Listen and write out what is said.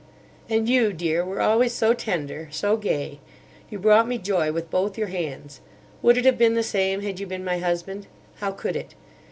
"'And you, Dear, were always so tender, so gay. You brought me joy with both your hands. Would it have been the same, had you been my husband? How could it?